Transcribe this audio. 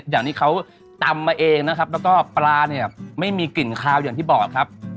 อย่างที่เขาตำมาเองนะครับแล้วก็ปลาเนี่ยไม่มีกลิ่นคาวอย่างที่บอกครับ